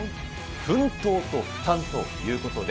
奮闘と負担ということで。